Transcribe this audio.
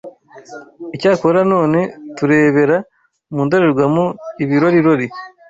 Icyakora none turebera mu ndorerwamo ibirorirori